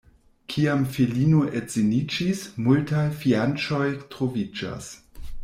Kiam filino edziniĝis, multaj fianĉoj troviĝas.